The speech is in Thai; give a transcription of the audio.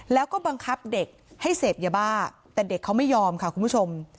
แล้วก็บังคับเด็กให้เสพยาบ้าแต่เด็กเขาไม่ยอมค่ะคุณผู้ชม